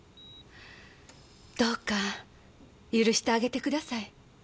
どうか許してあげてください。